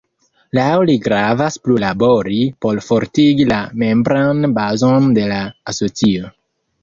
Laŭ li gravas plu labori por fortigi la membran bazon de la asocio.